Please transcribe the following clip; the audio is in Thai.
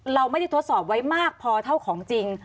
เราไม่ได้ทดสอบไว้มากพอเท่าของจริง